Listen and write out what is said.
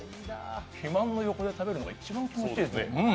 肥満の横で食べるのが一番気持ちいいですね。